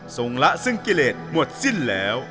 ละซึ่งกิเลสหมดสิ้นแล้ว